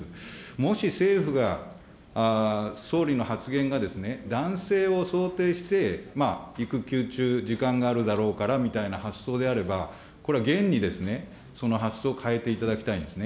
もし政府が、総理の発言がですね、男性を想定して、育休中、時間があるだろうからみたいな発想であれば、これは現にその発想を変えていただきたいんですね。